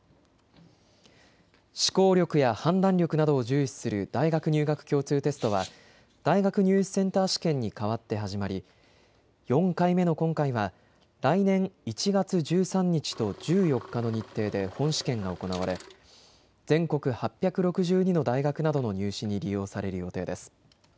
思考力や判断力などを重視する大学入学共通テストは大学入試センター試験に代わって始まり４回目の今回は来年１月１３日と１４日の日程で本試験が行われ全国８６２の大学などの入試に利用される予定です。